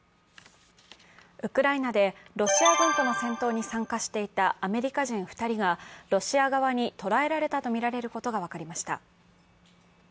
ウクライナでロシア軍との戦闘に参加していたアメリカ人２人がロシア側に捕らえられたとみられることが分かりました。